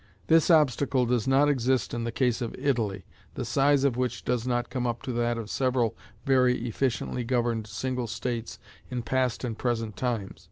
This obstacle does not exist in the case of Italy, the size of which does not come up to that of several very efficiently governed single states in past and present times.